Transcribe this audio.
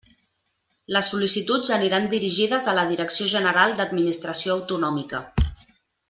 Les sol·licituds aniran dirigides a la Direcció General d'Administració Autonòmica.